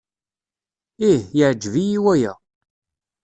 Ih, yeɛjeb-iyi waya.